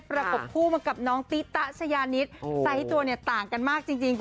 ประบบคู่กับน้องตีตะชะยานิตไซส์ที่ตัวต่างกันมากจริง